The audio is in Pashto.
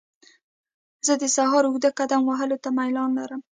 زه د سهار اوږده قدم وهلو ته میلان لرم.